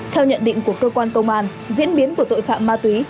theo nhận định của cơ quan công an diễn biến của tội phạm ma túy